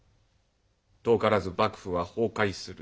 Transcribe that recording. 遠からず幕府は崩壊する。